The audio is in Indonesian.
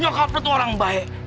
nyokap itu orang baik